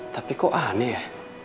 tapi kok aneh ya